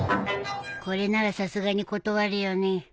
これならさすがに断るよね